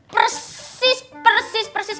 persis persis persis